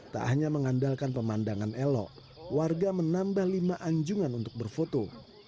tak hanya mengandalkan pemandangan elok warga menambah lima anjungan untuk berfoto